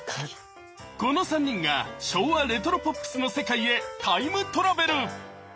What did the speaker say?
この３人が昭和レトロポップスの世界へタイムトラベル。